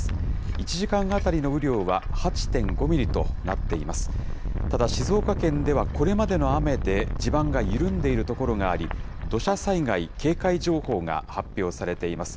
１時間当たりの雨量は、８．５ミリとなっています。